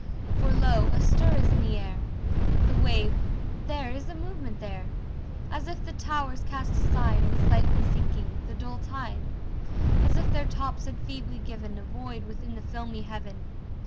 For lo, a stir is in the air! The wave there is a movement there! As if the towers cast aside In slightly sinking, the dull tide; As if their tops had feebly given A void within the filmy heaven.